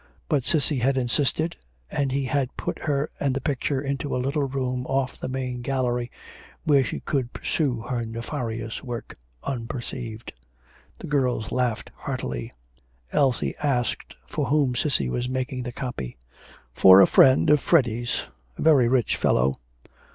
But Cissy had insisted, and he had put her and the picture into a little room off the main gallery, where she could pursue her nefarious work unperceived. The girls laughed heartily. Elsie asked for whom Cissy was making the copy. 'For a friend of Freddy's a very rich fellow.